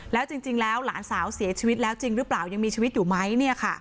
แล้วจริงแล้วหลานสาวเสียชีวิตแล้วจริงหรือเปล่ายังมีชีวิตอยู่ไหม